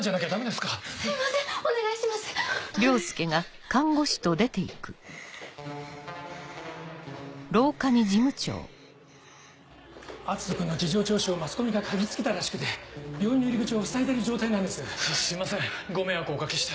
すいませんご迷惑をお掛けして。